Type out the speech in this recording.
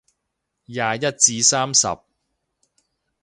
廿一至三十